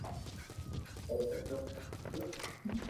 او نينو ھي مون مون